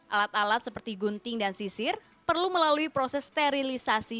alat alat seperti gunting dan sisir perlu melalui proses sterilisasi